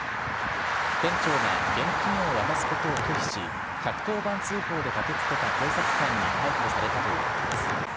店長が現金を渡すことを拒否し、１１０番通報で駆けつけた警察官に逮捕されたということです。